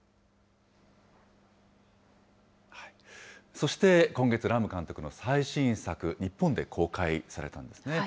そして今月、ラム監督の最新作、日本で公開されたんですね。